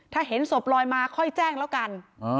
ถ้าเห็นศพลอยมาค่อยแจ้งแล้วกัน